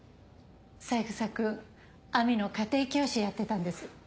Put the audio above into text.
三枝君亜美の家庭教師やってたんです。